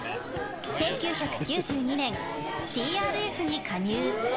１９９２年、ＴＲＦに加入。